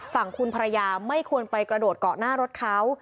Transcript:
ฝั่งคุณภรรยาไม่ควรไปกระโดดเกาะหน้ารถเขา